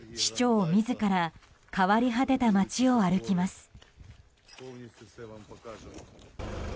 市長自ら変わり果てた街を歩きます。